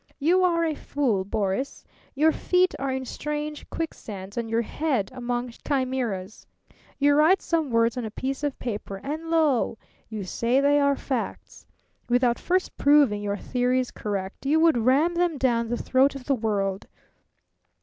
You are a fool, Boris. Your feet are in strange quicksands and your head among chimeras. You write some words on a piece of paper, and lo! you say they are facts. Without first proving your theories correct you would ram them down the throat of the world.